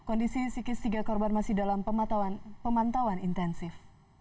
kondisi psikis tiga korban masih dalam pemantauan intensif